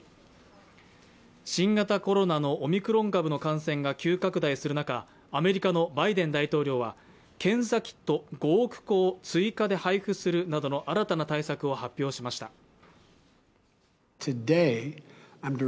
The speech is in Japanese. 新型コロナのオミクロン株の感染が急拡大する中、アメリカのバイデン大統領は検査キット５億個を追加で配布するなどの新たな対策を発表しました。